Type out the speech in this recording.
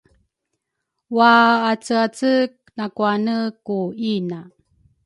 waaceace nakwane ku ina